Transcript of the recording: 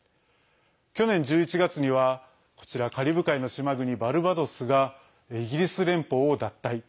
去年１１月には、こちらカリブ海の島国バルバドスがイギリス連邦を脱退。